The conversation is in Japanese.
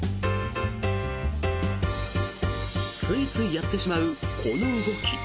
ついついやってしまうこの動き。